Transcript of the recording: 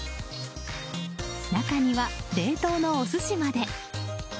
中には冷凍のお寿司まで。